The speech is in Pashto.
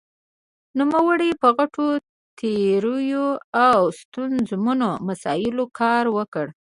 نومړې په غټو تیوریو او ستونزمنو مسايلو کار وکړ.